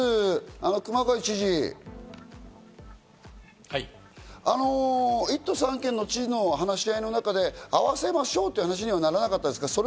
まず熊谷知事、１都３県の知事の話し合いの中で合わせましょうという話にはならなかったんですか？